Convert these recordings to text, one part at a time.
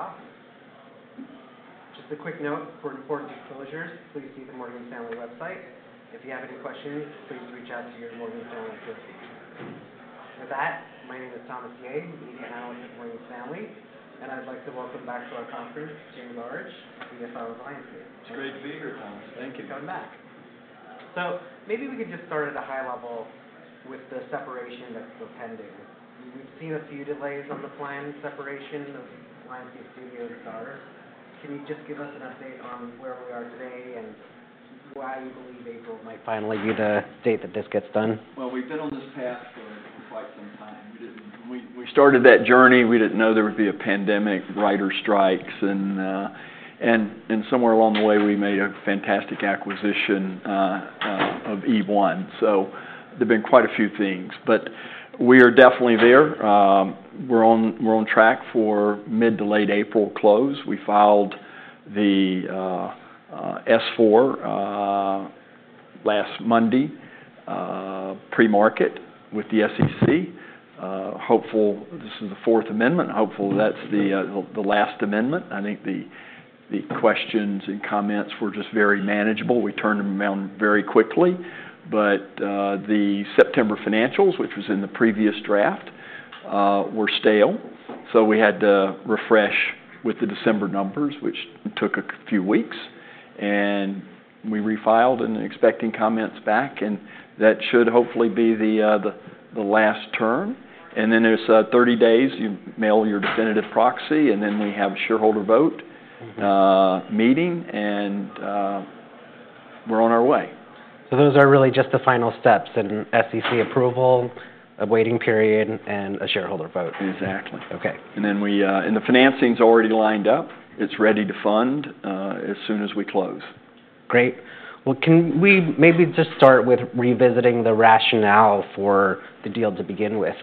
I think we can keep [it up]. Just a quick note for important disclosures: please see the Morgan Stanley website. If you have any questions, please reach out to your Morgan Stanley associates. With that, my name is Thomas Yeh, Media Analyst at Morgan Stanley, and I'd like to welcome back to our conference, Jimmy Barge, CFO of Lionsgate. It's great to be here, Thomas. Thank you. Welcome back. Maybe we could just start at a high level with the separation that's still pending. We've seen a few delays on the planned separation of Lionsgate Studios and Starz. Can you just give us an update on where we are today and why you believe April might finally be the date that this gets done? We have been on this path for quite some time. We started that journey. We did not know there would be a pandemic, writer strikes, and somewhere along the way we made a fantastic acquisition of E1. There have been quite a few things, but we are definitely there. We are on track for mid to late April close. We filed the S-4 last Monday pre-market with the SEC. This is the Fourth Amendment. Hopefully, that is the last amendment. I think the questions and comments were just very manageable. We turned them around very quickly. The September financials, which was in the previous draft, were stale. We had to refresh with the December numbers, which took a few weeks. We refiled and are expecting comments back, and that should hopefully be the last turn. There is 30 days. You mail your definitive proxy, and then we have a shareholder vote meeting, and we're on our way. Those are really just the final steps: an SEC approval, a waiting period, and a shareholder vote? Exactly. Okay. The financing's already lined up. It's ready to fund as soon as we close. Great. Can we maybe just start with revisiting the rationale for the deal to begin with?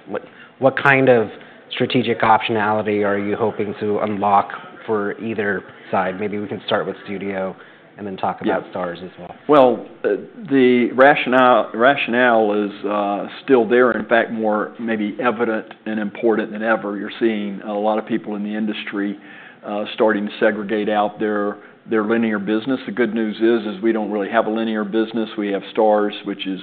What kind of strategic optionality are you hoping to unlock for either side? Maybe we can start with Studio and then talk about Starz as well. The rationale is still there. In fact, more maybe evident and important than ever. You're seeing a lot of people in the industry starting to segregate out their linear business. The good news is we don't really have a linear business. We have Starz, which is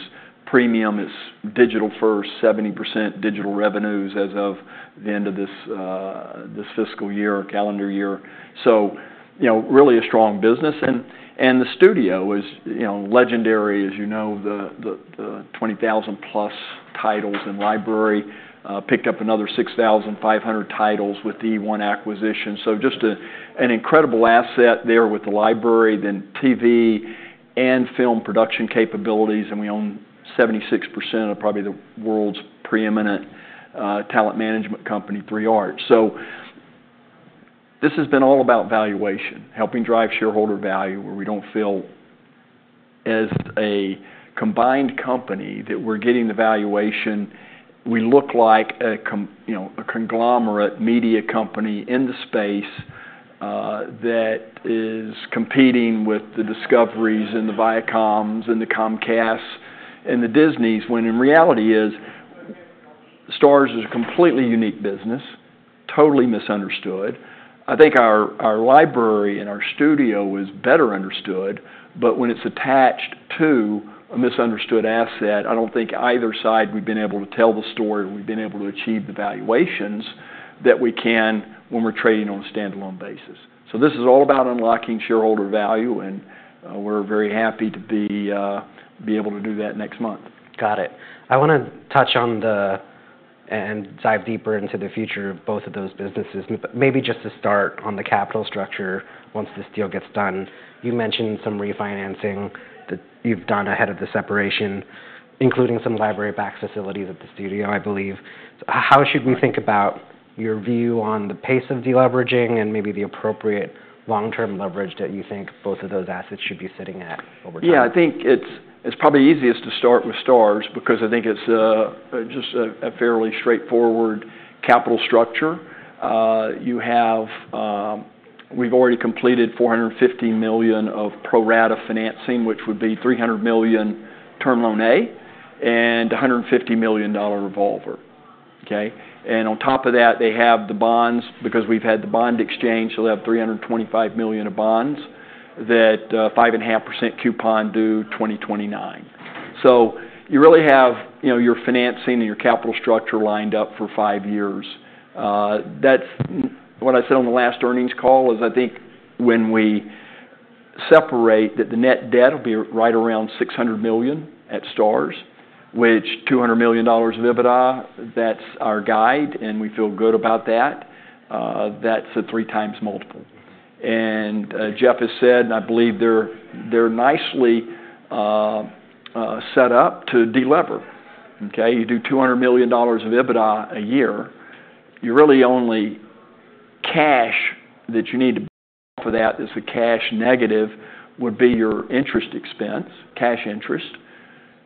premium. It's digital-first, 70% digital revenues as of the end of this fiscal year, calendar year. Really a strong business. The Studio is legendary, as you know, the 20,000+ titles in library picked up another 6,500 titles with the E1 acquisition. Just an incredible asset there with the library, then TV and film production capabilities. We own 76% of probably the world's preeminent talent management company, Three Arts. This has been all about valuation, helping drive shareholder value, where we don't feel as a combined company that we're getting the valuation. We look like a conglomerate media company in the space that is competing with the Discoveries and the Viacoms and the Comcasts and the Disneys, when in reality Starz is a completely unique business, totally misunderstood. I think our library and our Studio is better understood, but when it's attached to a misunderstood asset, I don't think either side we've been able to tell the story. We've been able to achieve the valuations that we can when we're trading on a standalone basis. This is all about unlocking shareholder value, and we're very happy to be able to do that next month. Got it. I want to touch on the and dive deeper into the future of both of those businesses. Maybe just to start on the capital structure once this deal gets done, you mentioned some refinancing that you've done ahead of the separation, including some library back facilities at the Studio, I believe. How should we think about your view on the pace of deleveraging and maybe the appropriate long-term leverage that you think both of those assets should be sitting at over time? Yeah, I think it's probably easiest to start with Starz because I think it's just a fairly straightforward capital structure. Yo have, we've already completed $450 million of pro-rata financing, which would be $300 million term loan A and $150 million revolver. Okay? On top of that, they have the bonds because we've had the bond exchange. They have $325 million of bonds at 5.5% coupon due 2029. You really have your financing and your capital structure lined up for five years. What I said on the last earnings call is I think when we separate that the net debt will be right around $600 million at Starz, which $200 million of EBITDA, that's our guide, and we feel good about that. That's a three-times multiple. Jeff has said, and I believe they're nicely set up to deliver. Okay? You do $200 million of EBITDA a year. You really only cash that you need to for that is a cash negative would be your interest expense, cash interest,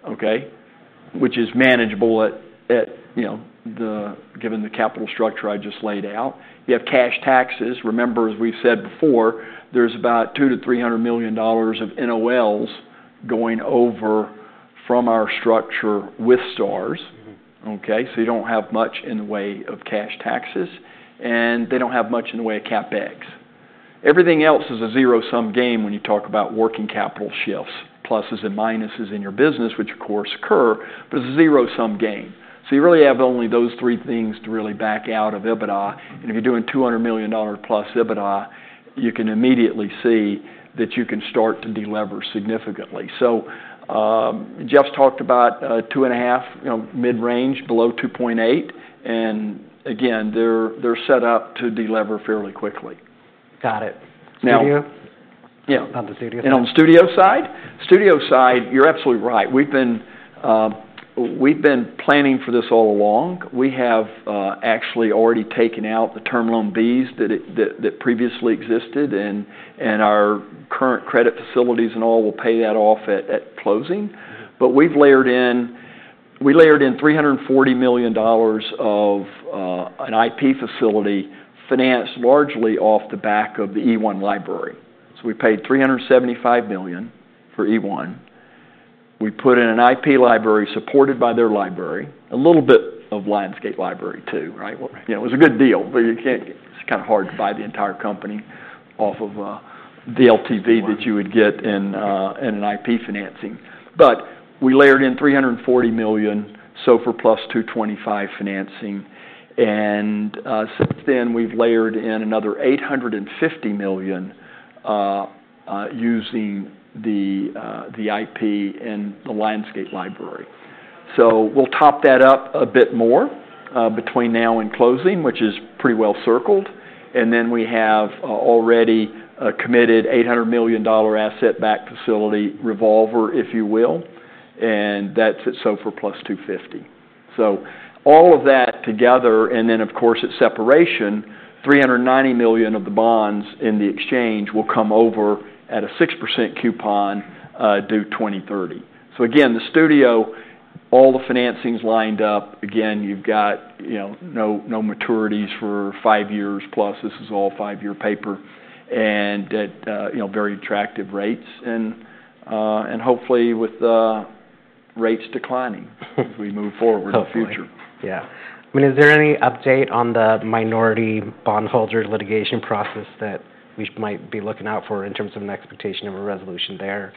okay, which is manageable given the capital structure I just laid out. You have cash taxes. Remember, as we've said before, there's about $200 to $300 million of NOLs going over from our structure with Starz. Okay? You don't have much in the way of cash taxes, and they don't have much in the way of CapEx. Everything else is a zero-sum game when you talk about working capital shifts, pluses and minuses in your business, which of course occur, but it's a zero-sum game. You really have only those three things to really back out of EBITDA. If you're doing $200+ million EBITDA, you can immediately see that you can start to deliver significantly. Jeff's talked about two and a half, mid-range, below 2.8. And again, they're set up to deliver fairly quickly. Got it. Studio? Yeah. On the Studio side? On the Studio side, Studio side, you're absolutely right. We've been planning for this all along. We have actually already taken out the term loan Bs that previously existed, and our current credit facilities and all will pay that off at closing. We have layered in $340 million of an IP facility financed largely off the back of the E1 library. We paid $375 million for E1. We put in an IP library supported by their library, a little bit of Lionsgate Library too, right? It was a good deal, but it's kind of hard to buy the entire company off of the LTV that you would get in an IP financing. We layered in $340 million, so for plus 225 financing. Since then, we've layered in another $850 million using the IP and the Lionsgate Library. We'll top that up a bit more between now and closing, which is pretty well circled. We have already committed $800 million asset-backed facility, revolver, if you will, and that's it, so for plus $250 million. All of that together, and then of course at separation, $390 million of the bonds in the exchange will come over at a 6% coupon due 2030. Again, the Studio, all the financing's lined up. Again, you've got no maturities for five years, plus this is all five-year paper, and at very attractive rates. Hopefully with rates declining as we move forward in the future. Yeah. I mean, is there any update on the minority bondholder litigation process that we might be looking out for in terms of an expectation of a resolution there?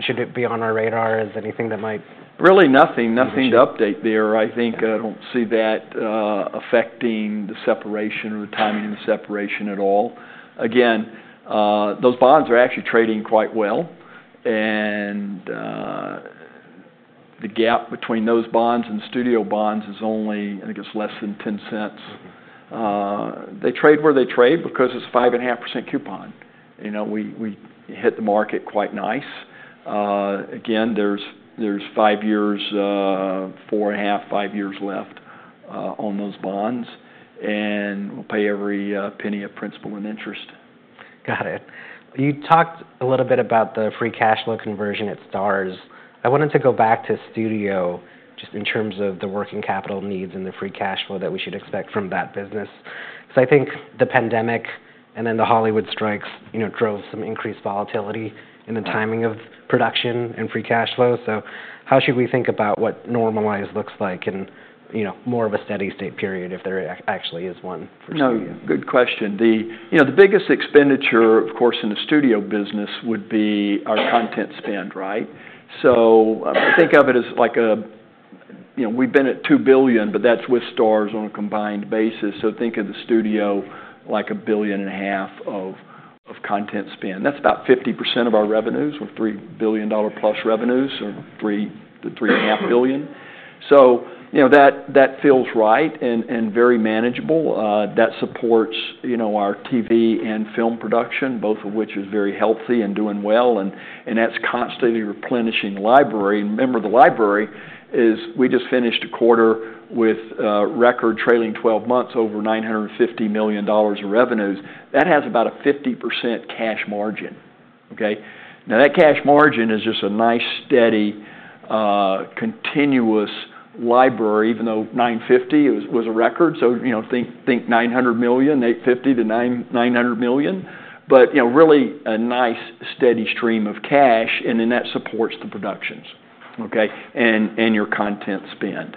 Should it be on our radar as anything that might? Really nothing, nothing to update there. I think I don't see that affecting the separation or the timing of the separation at all. Again, those bonds are actually trading quite well. The gap between those bonds and the Studio bonds is only, I think it's less than 10 cents. They trade where they trade because it's a 5.5% coupon. We hit the market quite nice. Again, there's five years, four and a half, five years left on those bonds, and we'll pay every penny of principal and interest. Got it. You talked a little bit about the free cash flow conversion at Starz. I wanted to go back to Studio just in terms of the working capital needs and the free cash flow that we should expect from that business. I think the pandemic and then the Hollywood strikes drove some increased volatility in the timing of production and free cash flow. How should we think about what normalized looks like in more of a steady state period if there actually is one for Studio? No, good question. The biggest expenditure, of course, in the Studio business would be our content spend, right? Think of it as like a we've been at $2 billion, but that's with Starz on a combined basis. Think of the Studio like $1.5 billion of content spend. That's about 50% of our revenues or $3 billion plus revenues or the $3.5 billion. That feels right and very manageable. That supports our TV and film production, both of which are very healthy and doing well, and that's constantly replenishing the library. Remember, the library is we just finished a quarter with record trailing 12 months over $950 million of revenues. That has about a 50% cash margin. Okay? Now that cash margin is just a nice steady continuous library, even though $950 million was a record. Think $900 million, $850 to $900 million, but really a nice steady stream of cash, and then that supports the productions, okay, and your content spend.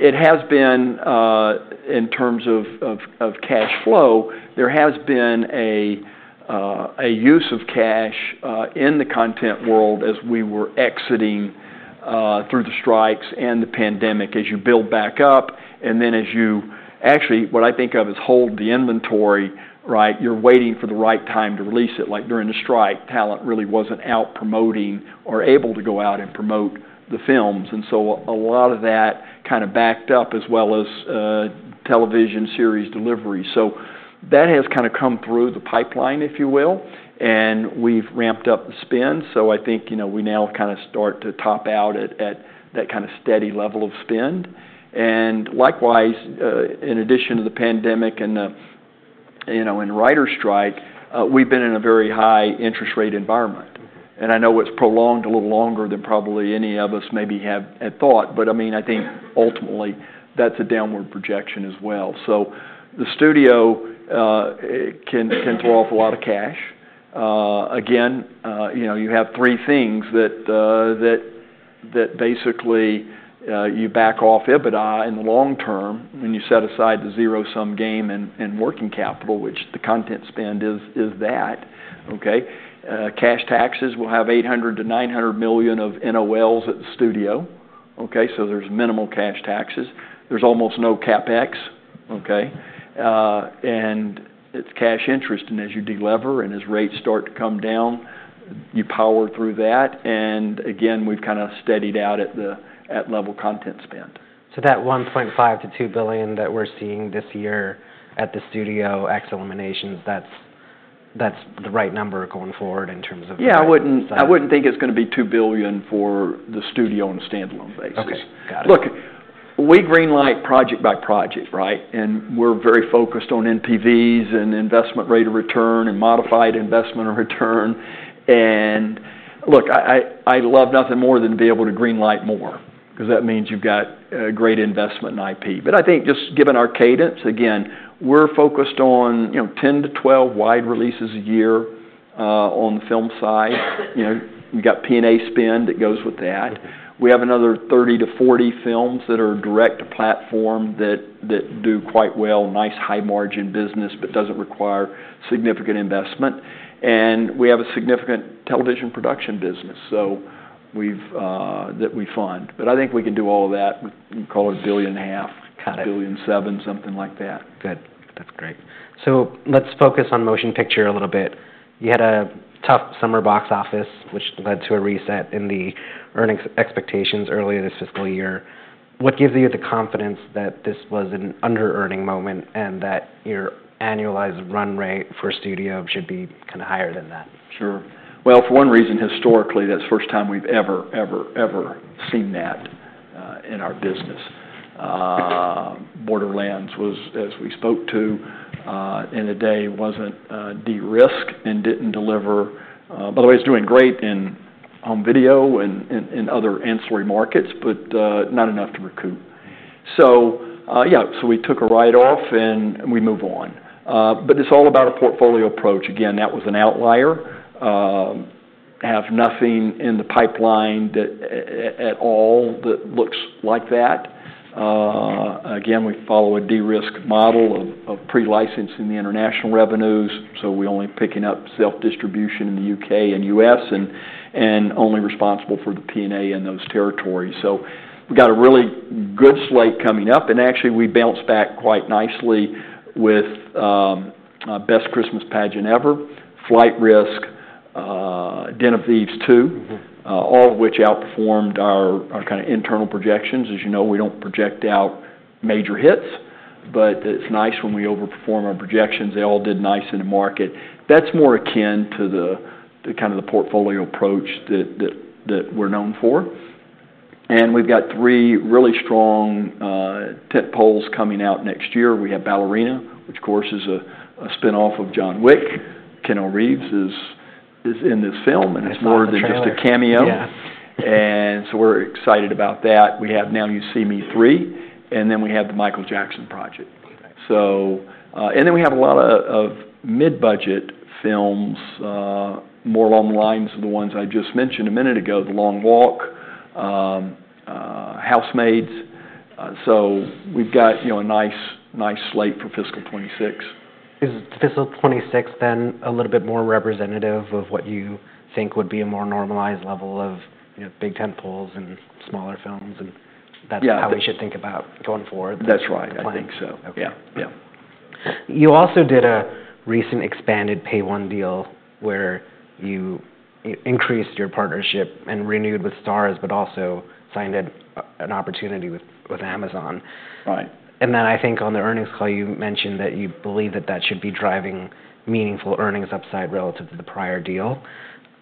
It has been in terms of cash flow, there has been a use of cash in the content world as we were exiting through the strikes and the pandemic as you build back up. As you actually what I think of as hold the inventory, right, you're waiting for the right time to release it. Like during the strike, talent really wasn't out promoting or able to go out and promote the films. A lot of that kind of backed up as well as television series delivery. That has kind of come through the pipeline, if you will, and we've ramped up the spend. I think we now kind of start to top out at that kind of steady level of spend. Likewise, in addition to the pandemic and the writer's strike, we've been in a very high interest rate environment. I know it's prolonged a little longer than probably any of us maybe had thought, but I mean, I think ultimately that's a downward projection as well. The Studio can throw off a lot of cash. Again, you have three things that basically you back off EBITDA in the long term when you set aside the zero-sum game and working capital, which the content spend is that. Okay? Cash taxes will have $800 million to $900 million of NOLs at the Studio. Okay? So there's minimal cash taxes. There's almost no CapEx. Okay? And it's cash interest. As you deliver and as rates start to come down, you power through that. Again, we've kind of steadied out at the level content spend. That $1.5 billion to $2 billion that we're seeing this year at the Studio ex eliminations, that's the right number going forward in terms of. Yeah, I wouldn't think it's going to be $2 billion for the Studio on a standalone basis. Okay. Got it. Look, we greenlight project by project, right? And we're very focused on NPVs and investment rate of return and modified investment of return. Look, I love nothing more than to be able to greenlight more because that means you've got great investment in IP. I think just given our cadence, again, we're focused on 10-12 wide releases a year on the film side. We've got P&A spend that goes with that. We have another 30-40 films that are direct to platform that do quite well, nice high margin business, but doesn't require significant investment. We have a significant television production business that we fund. I think we can do all of that. We call it $1.5 billion to $1.7 billion, something like that. Good. That's great. Let's focus on motion picture a little bit. You had a tough summer box office, which led to a reset in the earnings expectations earlier this fiscal year. What gives you the confidence that this was an under-earning moment and that your annualized run rate for Studio should be kind of higher than that? Sure. For one reason, historically, that's the first time we've ever, ever, ever seen that in our business. Borderlands was, as we spoke to in a day, wasn't de-risked and didn't deliver. By the way, it's doing great in home video and other ancillary markets, but not enough to recoup. Yeah, we took a write-off and we move on. It's all about a portfolio approach. Again, that was an outlier. Have nothing in the pipeline at all that looks like that. Again, we follow a de-risk model of pre-licensing the international revenues. We're only picking up self-distribution in the U.K. and U.S. and only responsible for the P&A in those territories. We've got a really good slate coming up. Actually, we bounced back quite nicely with Best Christmas Pageant Ever, Flight Risk, Den of Thieves 2, all of which outperformed our kind of internal projections. As you know, we do not project out major hits, but it is nice when we overperform our projections. They all did nice in the market. That is more akin to the kind of the portfolio approach that we are known for. We have got three really strong tentpoles coming out next year. We have Ballerina, which of course is a spinoff of John Wick. Keanu Reeves is in this film and it is more than just a cameo. We are excited about that. We have Now You See Me 3, and then we have the Michael Jackson project. We have a lot of mid-budget films more along the lines of the ones I just mentioned a minute ago, The Long Walk, Housemaids. We've got a nice slate for fiscal 2026. Is fiscal 2026 then a little bit more representative of what you think would be a more normalized level of big tentpoles and smaller films? And that's how we should think about going forward. That's right. I think so. Yeah. Yeah. You also did a recent expanded pay-one deal where you increased your partnership and renewed with Starz, but also signed an opportunity with Amazon. I think on the earnings call, you mentioned that you believe that that should be driving meaningful earnings upside relative to the prior deal.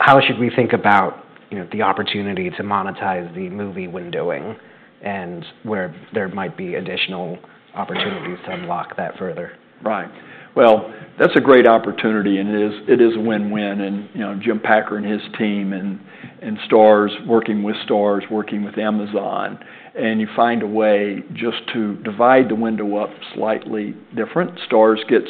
How should we think about the opportunity to monetize the movie windowing and where there might be additional opportunities to unlock that further? Right. That is a great opportunity and it is a win-win. Jim Packer and his team and Starz working with Starz, working with Amazon, and you find a way just to divide the window up slightly different. Starz gets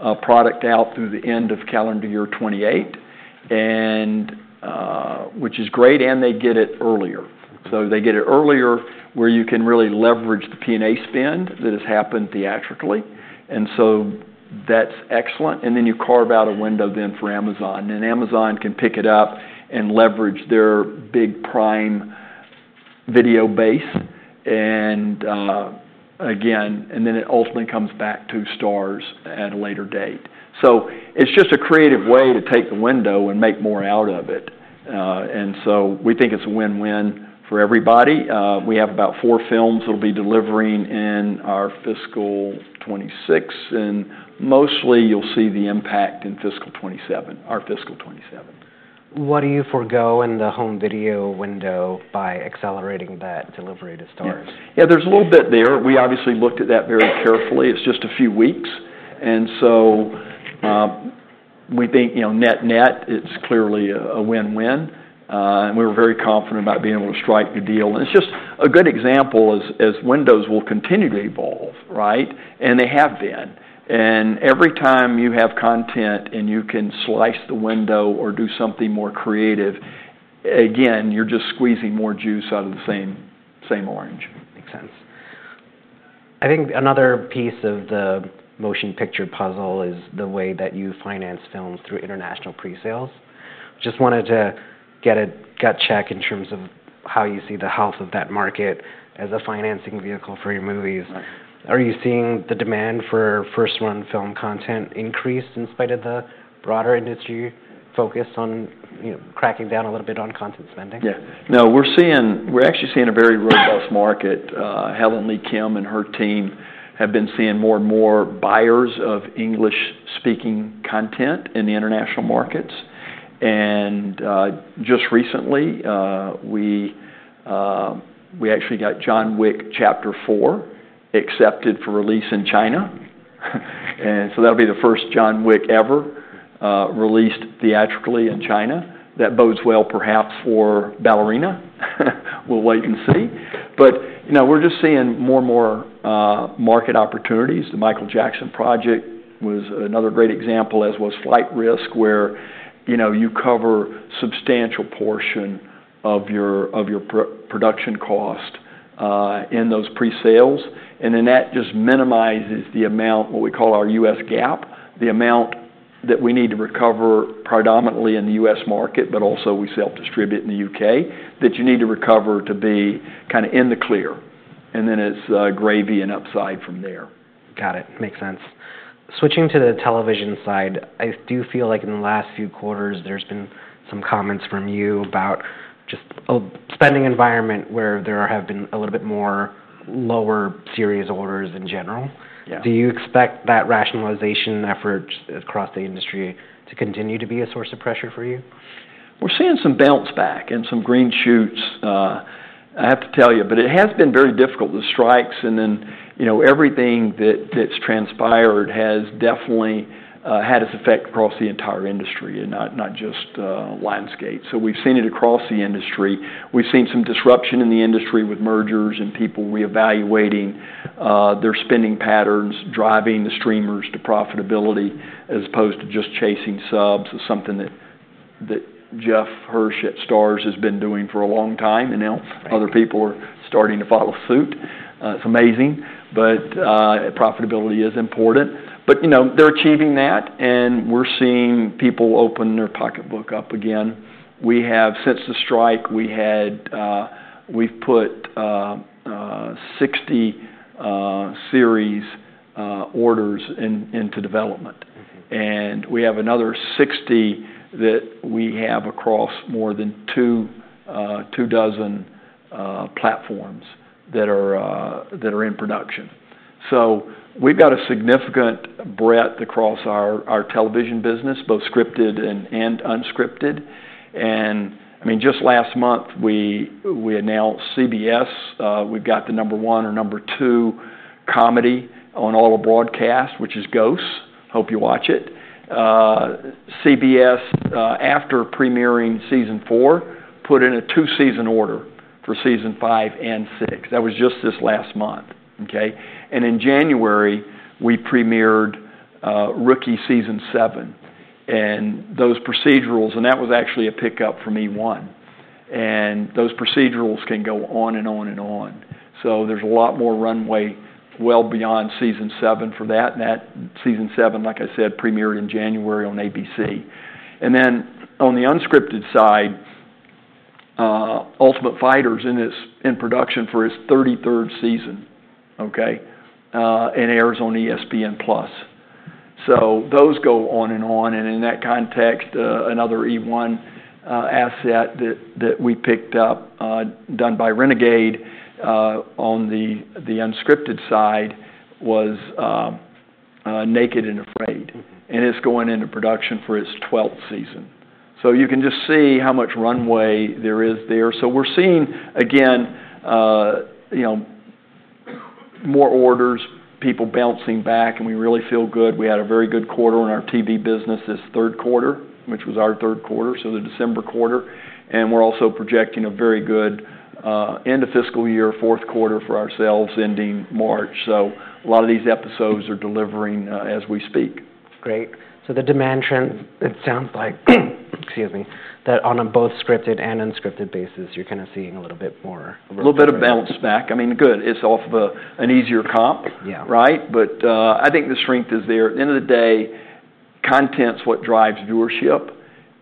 a product out through the end of calendar year 2028, which is great, and they get it earlier. They get it earlier where you can really leverage the P&A spend that has happened theatrically. That is excellent. You carve out a window then for Amazon. Amazon can pick it up and leverage their big Prime Video base. Again, it ultimately comes back to Starz at a later date. It is just a creative way to take the window and make more out of it. We think it is a win-win for everybody. We have about four films that will be delivering in our fiscal 2026, and mostly you'll see the impact in fiscal 2027, our fiscal 2027. What do you forego in the home video window by accelerating that delivery to Starz? Yeah, there's a little bit there. We obviously looked at that very carefully. It's just a few weeks. We think net-net, it's clearly a win-win. We were very confident about being able to strike the deal. It's just a good example as windows will continue to evolve, right? They have been. Every time you have content and you can slice the window or do something more creative, again, you're just squeezing more juice out of the same orange. Makes sense. I think another piece of the motion picture puzzle is the way that you finance films through international presales. Just wanted to get a gut check in terms of how you see the health of that market as a financing vehicle for your movies. Are you seeing the demand for first-run film content increase in spite of the broader industry focus on cracking down a little bit on content spending? Yeah. No, we're actually seeing a very robust market. Helen Lee Kim and her team have been seeing more and more buyers of English-speaking content in the international markets. Just recently, we actually got John Wick: Chapter 4 accepted for release in China. That will be the first John Wick ever released theatrically in China. That bodes well perhaps for Ballerina. We'll wait and see. We're just seeing more and more market opportunities. The Michael Jackson project was another great example, as was Flight Risk, where you cover a substantial portion of your production cost in those presales. That just minimizes the amount, what we call our U.S. gap, the amount that we need to recover predominantly in the U.S. market, but also we self-distribute in the U.K., that you need to recover to be kind of in the clear. It's gravy and upside from there. Got it. Makes sense. Switching to the television side, I do feel like in the last few quarters, there's been some comments from you about just a spending environment where there have been a little bit more lower series orders in general. Do you expect that rationalization effort across the industry to continue to be a source of pressure for you? We're seeing some bounce back and some green shoots, I have to tell you, but it has been very difficult. The strikes and then everything that's transpired has definitely had its effect across the entire industry and not just Lionsgate. We've seen it across the industry. We've seen some disruption in the industry with mergers and people reevaluating their spending patterns, driving the streamers to profitability as opposed to just chasing subs is something that Jeff Hirsch at Starz has been doing for a long time, and now other people are starting to follow suit. It's amazing, but profitability is important. They're achieving that, and we're seeing people open their pocketbook up again. Since the strike, we've put 60 series orders into development. We have another 60 that we have across more than two dozen platforms that are in production. We've got a significant breadth across our television business, both scripted and unscripted. I mean, just last month, we announced CBS. We've got the number one or number two comedy on all the broadcast, which is Ghost. Hope you watch it. CBS, after premiering season four, put in a two-season order for season five and six. That was just this last month. Okay? In January, we premiered Rookie season seven. Those procedurals, and that was actually a pickup from E1. Those procedurals can go on and on and on. There's a lot more runway well beyond season seven for that. That season seven, like I said, premiered in January on ABC. On the unscripted side, Ultimate Fighter is in production for its 33rd season, okay, and airs on ESPN+. Those go on and on. In that context, another E1 asset that we picked up, done by Renegade on the unscripted side, was Naked and Afraid. It's going into production for its 12th season. You can just see how much runway there is there. We're seeing, again, more orders, people bouncing back, and we really feel good. We had a very good quarter in our TV business this third quarter, which was our third quarter, the December quarter. We're also projecting a very good end of fiscal year fourth quarter for ourselves ending March. A lot of these episodes are delivering as we speak. Great. The demand trend, it sounds like, excuse me, that on a both scripted and unscripted basis, you're kind of seeing a little bit more. A little bit of bounce back. I mean, good. It's off of an easier comp, right? I think the strength is there. At the end of the day, content's what drives viewership.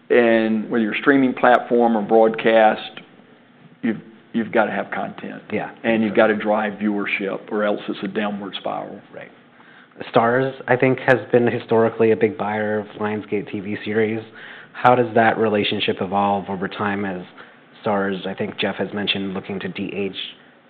Whether you're a streaming platform or broadcast, you've got to have content. You've got to drive viewership or else it's a downward spiral. Right. Starz, I think, has been historically a big buyer of Lionsgate TV series. How does that relationship evolve over time as Starz, I think Jeff has mentioned, looking to de-age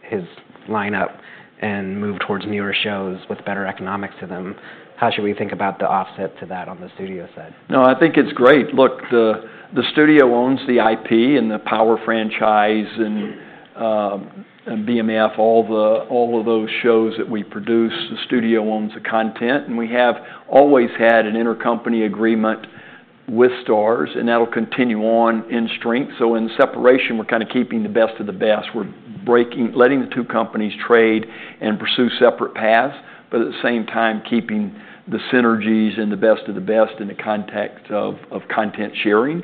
his lineup and move towards newer shows with better economics to them? How should we think about the offset to that on the studio side? No, I think it's great. Look, the studio owns the IP and the Power Franchise and BMF, all of those shows that we produce. The studio owns the content. We have always had an intercompany agreement with Starz, and that'll continue on in strength. In separation, we're kind of keeping the best of the best. We're letting the two companies trade and pursue separate paths, but at the same time, keeping the synergies and the best of the best in the context of content sharing.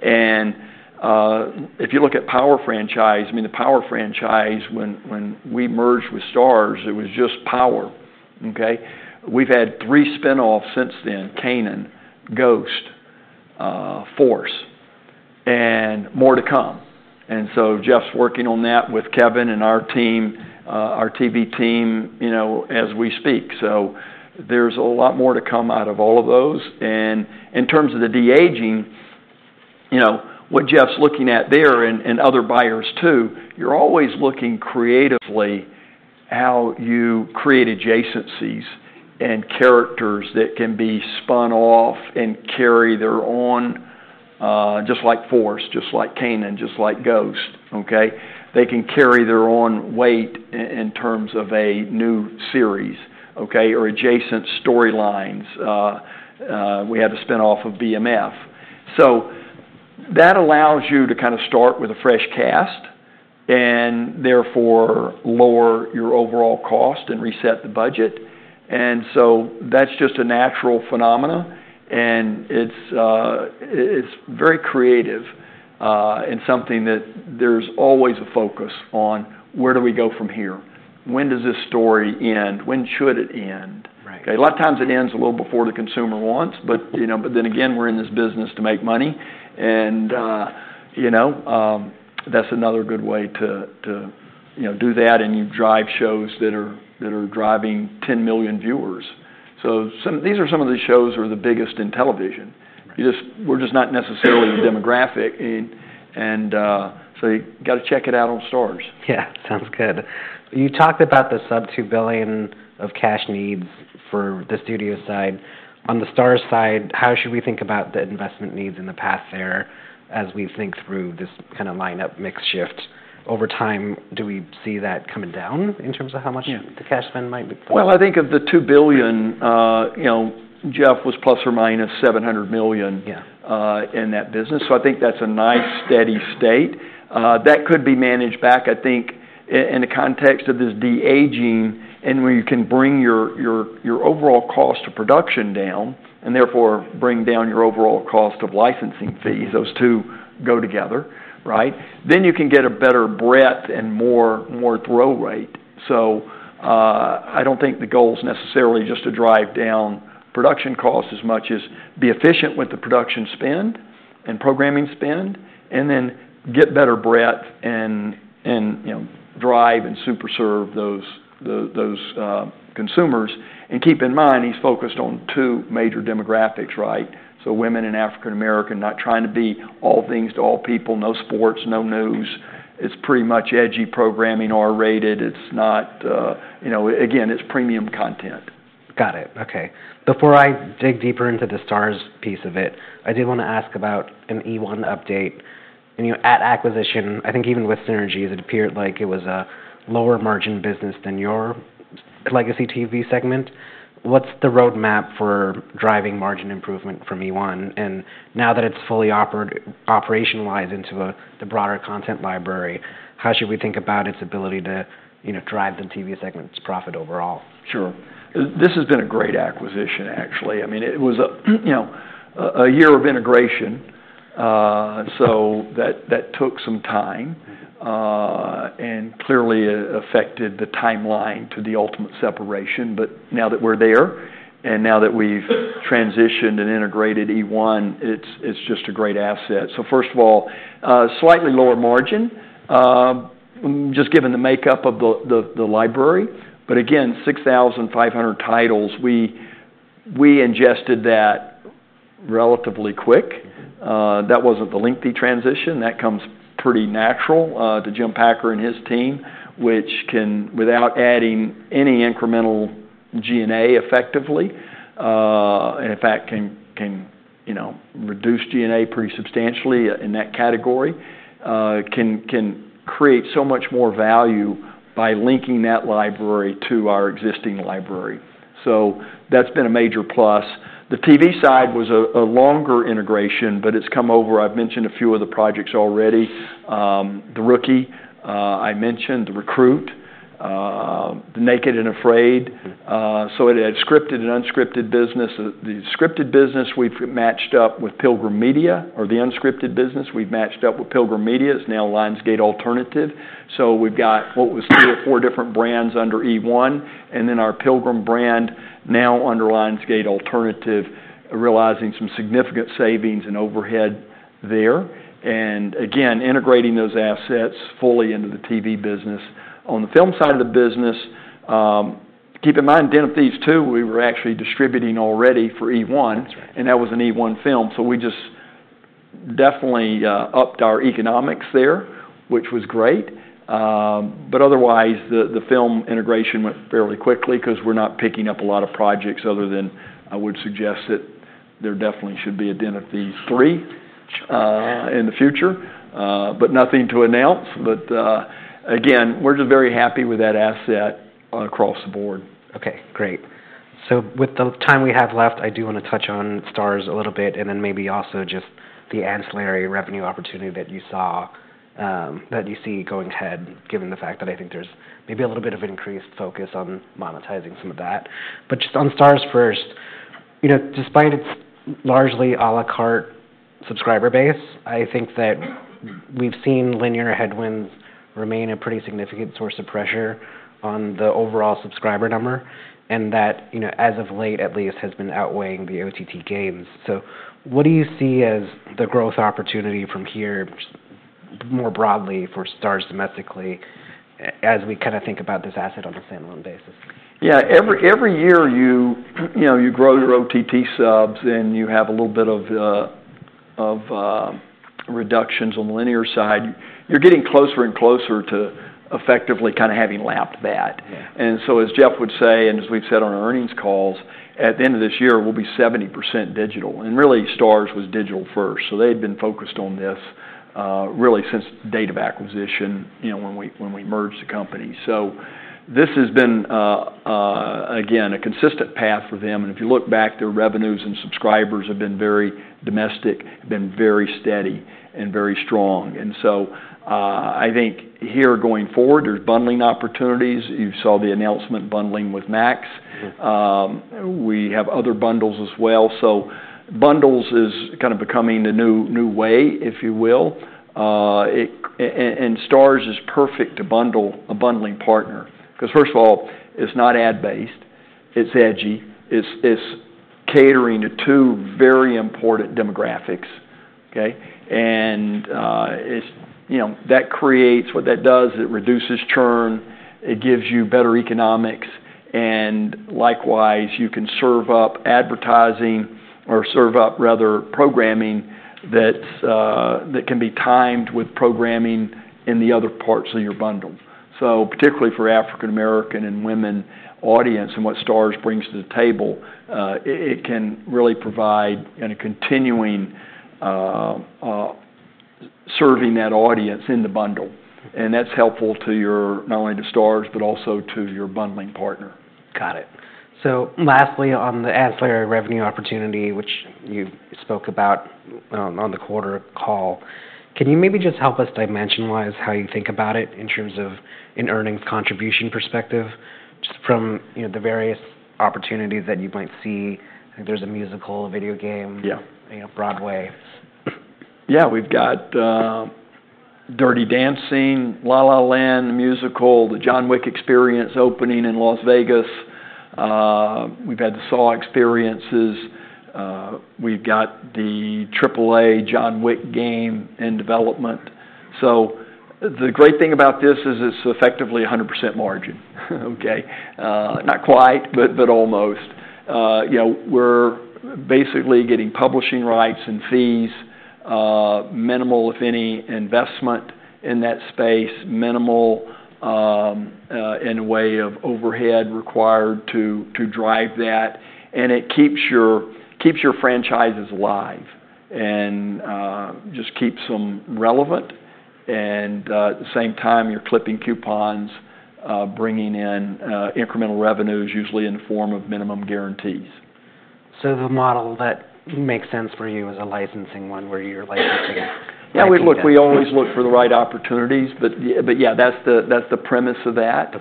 If you look at Power Franchise, I mean, the Power Franchise, when we merged with Starz, it was just Power. Okay? We've had three spinoffs since then: Kanan, Ghost, Force, and more to come. Jeff's working on that with Kevin and our team, our TV team, as we speak. There is a lot more to come out of all of those. In terms of the de-aging, what Jeff is looking at there and other buyers too, you are always looking creatively at how you create adjacencies and characters that can be spun off and carry their own, just like Force, just like Kanan, just like Ghost. They can carry their own weight in terms of a new series or adjacent storylines. We had a spinoff of BMF. That allows you to kind of start with a fresh cast and therefore lower your overall cost and reset the budget. That is just a natural phenomenon. It is very creative and something that there is always a focus on: where do we go from here? When does this story end? When should it end? A lot of times it ends a little before the consumer wants, but then again, we're in this business to make money. That's another good way to do that. You drive shows that are driving 10 million viewers. These are some of the shows that are the biggest in television. We're just not necessarily the demographic. You got to check it out on Starz. Yeah. Sounds good. You talked about the sub $2 billion of cash needs for the studio side. On the Starz side, how should we think about the investment needs in the past there as we think through this kind of lineup mix shift over time? Do we see that coming down in terms of how much the cash spend might be? I think of the $2 billion, Jeff was ±$700 million in that business. I think that's a nice steady state. That could be managed back, I think, in the context of this de-aging and where you can bring your overall cost of production down and therefore bring down your overall cost of licensing fees. Those two go together, right? You can get a better breadth and more throw rate. I don't think the goal is necessarily just to drive down production costs as much as be efficient with the production spend and programming spend and then get better breadth and drive and superserve those consumers. Keep in mind, he's focused on two major demographics, right? Women and African American, not trying to be all things to all people, no sports, no news. It's pretty much edgy programming, R-rated. It's not, again, it's premium content. Got it. Okay. Before I dig deeper into the Starz piece of it, I did want to ask about an E1 update. At acquisition, I think even with synergies, it appeared like it was a lower margin business than your legacy TV segment. What's the roadmap for driving margin improvement from E1? Now that it's fully operationalized into the broader content library, how should we think about its ability to drive the TV segment's profit overall? Sure. This has been a great acquisition, actually. I mean, it was a year of integration. That took some time and clearly affected the timeline to the ultimate separation. Now that we're there and now that we've transitioned and integrated E1, it's just a great asset. First of all, slightly lower margin, just given the makeup of the library. Again, 6,500 titles, we ingested that relatively quick. That was not the lengthy transition. That comes pretty natural to Jim Packer and his team, which can, without adding any incremental G&A effectively, and in fact, can reduce G&A pretty substantially in that category, can create so much more value by linking that library to our existing library. That has been a major plus. The TV side was a longer integration, but it has come over. I've mentioned a few of the projects already. The Rookie, I mentioned, the Recruit, the Naked and Afraid. It had scripted and unscripted business. The scripted business, we've matched up with Pilgrim Media. For the unscripted business, we've matched up with Pilgrim Media. It's now Lionsgate Alternative. We've got what was three or four different brands under E1, and then our Pilgrim brand now under Lionsgate Alternative, realizing some significant savings and overhead there. Again, integrating those assets fully into the TV business. On the film side of the business, keep in mind, Den of Thieves 2, we were actually distributing already for E1, and that was an E1 film. We just definitely upped our economics there, which was great. Otherwise, the film integration went fairly quickly because we're not picking up a lot of projects other than I would suggest that there definitely should be a Den of Thieves 3 in the future, but nothing to announce. Again, we're just very happy with that asset across the board. Okay. Great. With the time we have left, I do want to touch on Starz a little bit and then maybe also just the ancillary revenue opportunity that you saw, that you see going ahead, given the fact that I think there is maybe a little bit of increased focus on monetizing some of that. Just on Starz first, despite its largely à la carte subscriber base, I think that we have seen linear headwinds remain a pretty significant source of pressure on the overall subscriber number and that, as of late at least, has been outweighing the OTT gains. What do you see as the growth opportunity from here more broadly for Starz domestically as we kind of think about this asset on a standalone basis? Yeah. Every year you grow your OTT subs and you have a little bit of reductions on the linear side, you're getting closer and closer to effectively kind of having lapped that. As Jeff would say, and as we've said on our earnings calls, at the end of this year, we'll be 70% digital. Really, Starz was digital first. They've been focused on this really since date of acquisition when we merged the company. This has been, again, a consistent path for them. If you look back, their revenues and subscribers have been very domestic, been very steady, and very strong. I think here going forward, there's bundling opportunities. You saw the announcement bundling with Max. We have other bundles as well. Bundles is kind of becoming the new way, if you will. Starz is perfect to bundle a bundling partner. Because first of all, it's not ad-based. It's edgy. It's catering to two very important demographics. Okay? That creates what that does. It reduces churn. It gives you better economics. Likewise, you can serve up advertising or serve up, rather, programming that can be timed with programming in the other parts of your bundle. Particularly for African American and women audience and what Starz brings to the table, it can really provide a continuing serving that audience in the bundle. That's helpful to your, not only to Starz, but also to your bundling partner. Got it. Lastly, on the ancillary revenue opportunity, which you spoke about on the quarter call, can you maybe just help us dimension-wise how you think about it in terms of an earnings contribution perspective just from the various opportunities that you might see? There's a musical, a video game, Broadway. Yeah. We've got Dirty Dancing, La La Land, the musical, the John Wick Experience opening in Las Vegas. We've had the Saw Experiences. We've got the AAA John Wick game in development. The great thing about this is it's effectively 100% margin. Okay? Not quite, but almost. We're basically getting publishing rights and fees, minimal, if any, investment in that space, minimal in a way of overhead required to drive that. It keeps your franchises alive and just keeps them relevant. At the same time, you're clipping coupons, bringing in incremental revenues, usually in the form of minimum guarantees. The model that makes sense for you is a licensing one where you're licensing? Yeah. Look, we always look for the right opportunities. Yeah, that's the premise of that.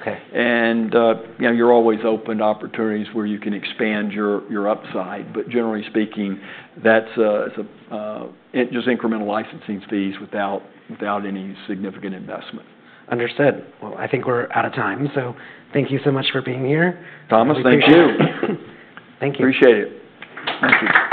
You're always open to opportunities where you can expand your upside. Generally speaking, that's just incremental licensing fees without any significant investment. Understood. I think we're out of time. Thank you so much for being here. Thomas, thank you. Thank you. Appreciate it. Thank you.